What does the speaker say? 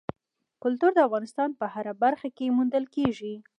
کلتور د افغانستان په هره برخه کې موندل کېږي.